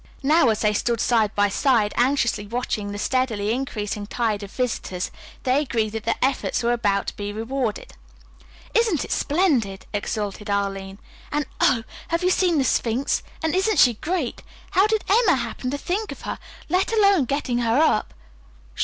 Now, as they stood side by side anxiously watching the steadily increasing tide of visitors, they agreed that their efforts were about to be rewarded. "Isn't it splendid!" exulted Arline. "And, oh, have you seen the Sphinx, and isn't she great! How did Emma happen to think of her, let alone getting her up?"